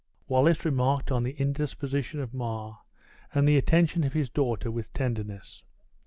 Wallace remarked on the indisposition of Mar, and the attention of his daughter, with tenderness.